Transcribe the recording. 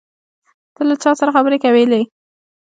ته له چا سره خبرې کولې؟